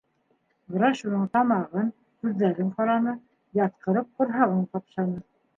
Врач уның тамагын, күҙҙәрен ҡараны, ятҡырып ҡорһағын ҡапшаны.